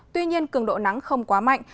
tuy nhiên cường độ nắng không quá mạnh